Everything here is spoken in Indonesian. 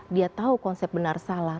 dia tahu konsep benar salah